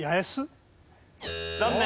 残念！